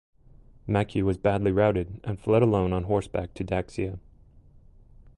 Ma Qiu was badly routed and fled alone on horseback to Daxia.